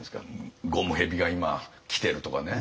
ゴムヘビが今きてるとかね。